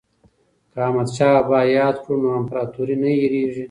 که احمد شاه بابا یاد کړو نو امپراتوري نه هیریږي.